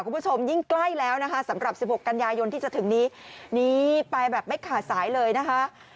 คุณผู้ชมยิ่งใกล้แล้วนะคะสำหรับ๑๖กันยายนที่จะถึงนี้นี้ไปแบบไม่ขาดสายเลยนะคะ